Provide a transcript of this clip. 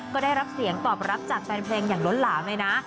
ก็ได้รับเสียงตอบรับจากแฟนเพลงอย่างล้นหลามเลยนะ